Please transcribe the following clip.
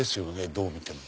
どう見ても。